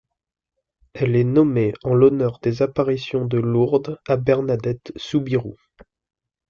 Elle est nommée en l'honneur des apparitions de Lourdes à Bernadette Soubirous.